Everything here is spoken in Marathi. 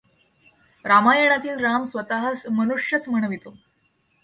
रामायणातील राम स्वतःस मनुष्यच म्हणवितो.